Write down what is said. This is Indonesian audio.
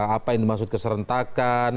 apa yang dimaksud keserentakan